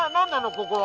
ここは。